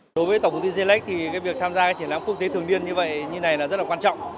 đối với tổng công ty gelec thì việc tham gia các triển lãm quốc tế thường niên như này là rất là quan trọng